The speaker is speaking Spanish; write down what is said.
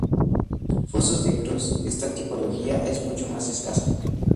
Fosos de cruz: esta tipología es mucho más escasa.